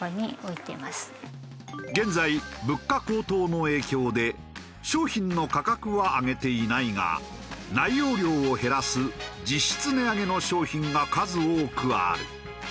現在物価高騰の影響で商品の価格は上げていないが内容量を減らす実質値上げの商品が数多くある。